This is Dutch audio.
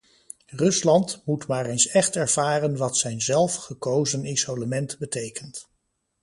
Rusland moet maar eens echt ervaren wat zijn zelf gekozen isolement betekent.